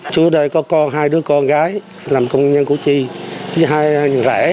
chưa đây có hai đứa con gái làm công nhân của chị với hai người rẻ